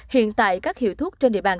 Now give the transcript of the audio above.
hiện tại các hiệu thuốc trên địa bàn